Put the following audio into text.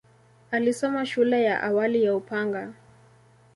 Alisoma shule ya awali ya Upanga.